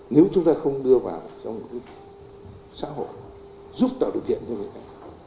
nếu chúng ta không đưa vào trong xã hội giúp tạo được kiện cho người ta